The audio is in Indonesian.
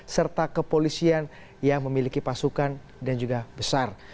serta kepolisian yang memiliki pasukan dan juga besar